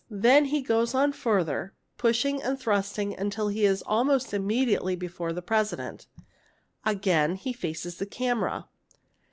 Then he goes on further, pushing and thrusting, until he is almost immediately before the President. Again he faces the camera.